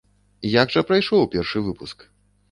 Як жа прайшоў першы выпуск?